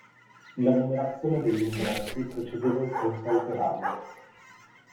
La numerazione degli ingressi procedeva in senso antiorario.